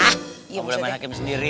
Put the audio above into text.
enggak boleh main hakim sendiri